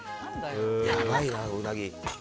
やばいな、うなぎ。